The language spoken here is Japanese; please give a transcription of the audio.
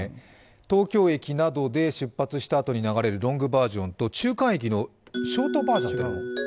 東京駅などで出発したあとに流れるロングバージョンと中間駅のショートバージョンというのが。